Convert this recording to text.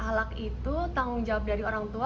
ahlak itu tanggung jawab dari orang tua